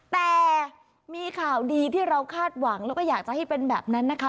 แต่มีข่าวดีที่เราคาดหวังแล้วก็อยากจะให้เป็นแบบนั้นนะคะ